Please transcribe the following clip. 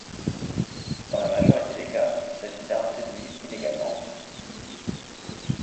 Dans la majorité des cas, il s'agit d'armes détenues illégalement.